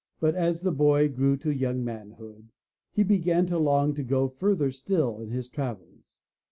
But as the boy grew to young manhood, he began to long to go further still in his travels.